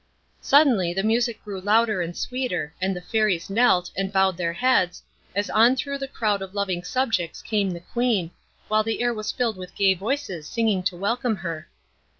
Suddenly the music grew louder and sweeter, and the Fairies knelt, and bowed their heads, as on through the crowd of loving subjects came the Queen, while the air was filled with gay voices singing to welcome her.